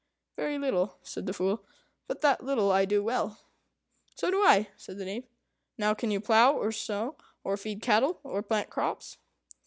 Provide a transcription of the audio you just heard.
"Very little," said the Fool; "but that little I do well." "So do I," said the Knave. "Now can you plough, or sow, or feed cattle, or plant crops?"